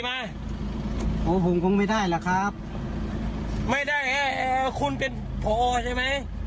มาโหผมคงไม่ได้หรอครับไม่ได้คุณเป็นใช่ไหม